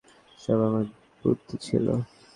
সব আমার বুদ্ধি ছিল!